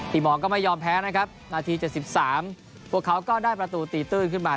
หมอก็ไม่ยอมแพ้นะครับนาที๗๓พวกเขาก็ได้ประตูตีตื้นขึ้นมา